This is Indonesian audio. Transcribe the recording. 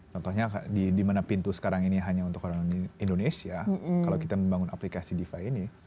contohnya di mana pintu sekarang ini hanya untuk orang indonesia kalau kita membangun aplikasi defi ini